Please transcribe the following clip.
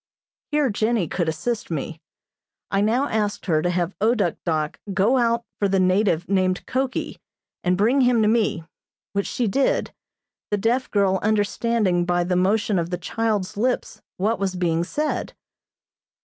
Here Jennie could assist me. I now asked her to have O Duk Dok go out for the native named Koki, and bring him to me, which she did, the deaf girl understanding by the motion of the child's lips what was being said.